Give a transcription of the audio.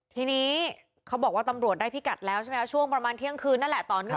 ทีนี้เขาบอกว่าตำรวจได้พิกัดแล้วใช่ไหมช่วงประมาณเที่ยงคืนนั่นแหละต่อเนื่อง